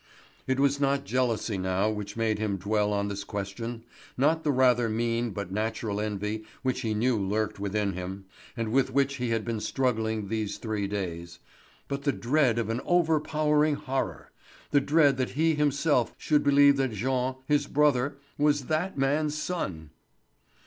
It was not jealousy now which made him dwell on this question, not the rather mean but natural envy which he knew lurked within him, and with which he had been struggling these three days, but the dread of an overpowering horror; the dread that he himself should believe that Jean, his brother, was that man's son.